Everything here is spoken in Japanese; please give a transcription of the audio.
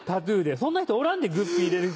そんな人おらんでグッピー入れる人。